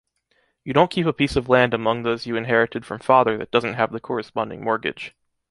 You don't keep a piece of land among those you inherited from Father that doesn't have the corresponding mortgage.